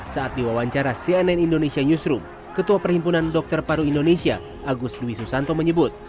saat diwawancara cnn indonesia newsroom ketua perhimpunan dokter paru indonesia agus dwi susanto menyebut